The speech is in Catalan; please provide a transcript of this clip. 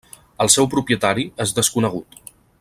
El seu propietari és desconegut.